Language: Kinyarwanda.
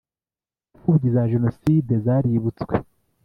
imfubyi za Jenoside zaributswe